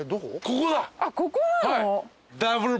ここだ。